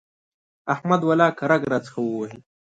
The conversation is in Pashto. احمد ولاکه رګ راڅخه ووهي.